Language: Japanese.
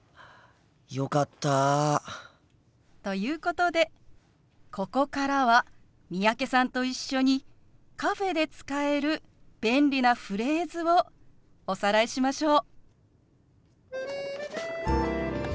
よかった。ということでここからは三宅さんと一緒にカフェで使える便利なフレーズをおさらいしましょう。